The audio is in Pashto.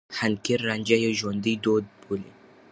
حنکير رانجه يو ژوندي دود بولي.